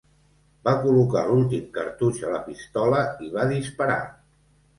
Va col·locar l'últim cartutx a la pistola i va disparar.